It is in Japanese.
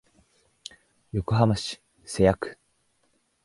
横浜市瀬谷区